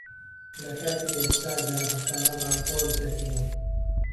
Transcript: لەکاتی ئێستادا، هەفتانە ڕاپۆرت دەکەین.